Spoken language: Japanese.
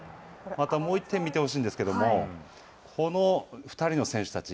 また、もう一点見てほしいんですけども、この２人の選手たち